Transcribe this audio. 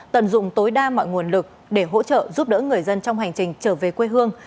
tận dụng tối đa mọi nguồn lực để hỗ trợ giúp đỡ người dân trong hành trình trở về quê hương